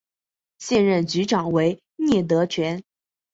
现任局长为聂德权。